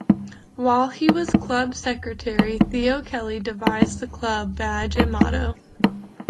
While he was club secretary Theo Kelly devised the club badge and motto.